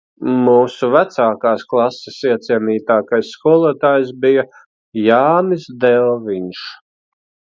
Mūsu vecākās klases iecienītākais skolotājs bija Jānis Delviņš.